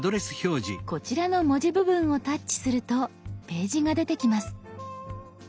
こちらの文字部分をタッチするとページが出てきます。